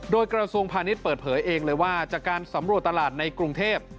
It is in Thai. โดยกระทรวงพาณิชย์เปิดเผยเองเลยว่าจากการสำรวจตลาดในกรุงเทพ